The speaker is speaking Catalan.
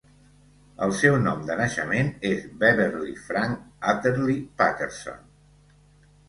El seu nom de naixement és Beverley Frank Atherly Patterson.